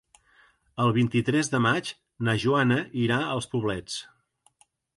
El vint-i-tres de maig na Joana irà als Poblets.